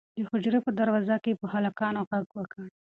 د حجرې په دروازه کې یې په هلکانو غږ وکړ.